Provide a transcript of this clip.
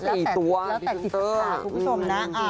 ก็สี่ตัวพี่ซึ้งเตอร์คุณผู้ชมนะ